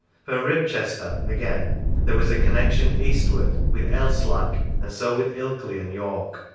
From Ribchester, again, there was a con nection eastwards with Elslack, and so with Ilkley and York.